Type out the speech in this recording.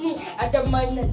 nih ada mainan